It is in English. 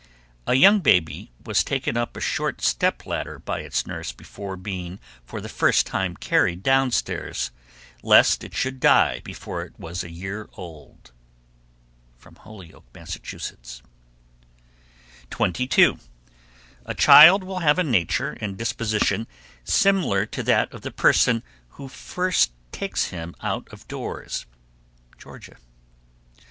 A young baby was taken up a short step ladder by its nurse before being for the first time carried downstairs lest it should die before it was a year old. Holyoke, Mass. 22. A child will have a nature and disposition similar to that of the person who first takes him out of doors. _Georgia.